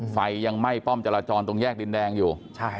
ไฟยังไหม้ป้อมจราจรตรงแยกดินแดงอยู่